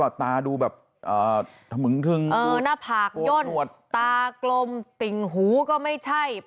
หรือเปล่าตาดูแบบเอ่อถมึงทึงเออหน้าผากย่นตากลมติ่งหูก็ไม่ใช่